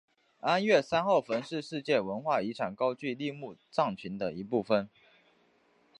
安岳三号坟是世界文化遗产高句丽墓葬群的一部份。